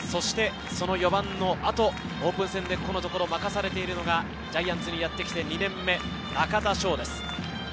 ４番の後、オープン戦でこのところ任されているのがジャイアンツにやってきて２年目、中田翔です。